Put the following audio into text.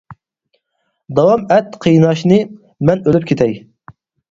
داۋام ئەت قىيناشنى، مەن ئۆلۈپ كېتەي.